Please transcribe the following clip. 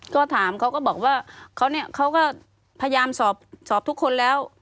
ก็ถามเขาก็บอกว่าเขาก็พยายามสอบทุกคนแล้ว